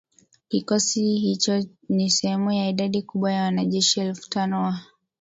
Kikosi hicho ni sehemu ya idadi kubwa ya wanajeshi elfu tano wa